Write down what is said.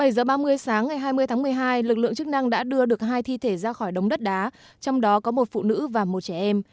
bảy giờ ba mươi sáng ngày hai mươi tháng một mươi hai lực lượng chức năng đã đưa được hai thi thể ra khỏi đống đất đá trong đó có một phụ nữ và một trẻ em